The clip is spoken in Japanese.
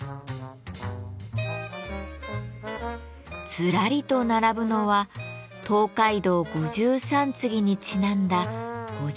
ずらりと並ぶのは「東海道五十三次」にちなんだ５０匹以上の猫です。